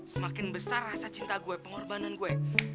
semakin besar rasa cinta gue pengorbanan gue